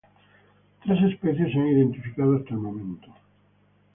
Tres especies se han identificado hasta el momento.